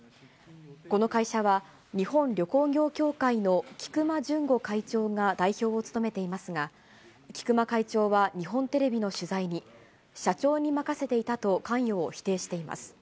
この会社は、日本旅行業協会の菊間潤吾会長が代表を務めていますが、菊間会長は日本テレビの取材に、社長に任せていたと関与を否定しています。